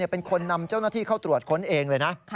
เป็นคนนำเจ้าหน้าที่เข้าตรวจค้นเองเลยนะ